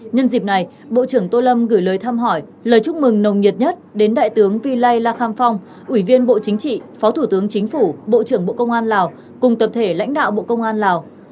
nhân dịp này bộ trưởng tô lâm gửi lời thăm hỏi lời chúc mừng nồng nhiệt nhất đến đại tướng vy lai la kham phong ủy viên bộ chính trị phó thủ tướng chính phủ bộ trưởng bộ công an lào cùng tập thể lãnh đạo bộ công an lào